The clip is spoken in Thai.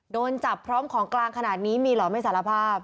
โดนจับพร้อมของกลางขนาดนี้มีเหรอไม่สารภาพ